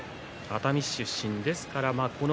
熱海市出身です。